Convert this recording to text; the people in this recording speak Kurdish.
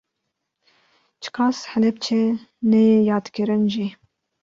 Çiqas Helepçe neyê yadkirin jî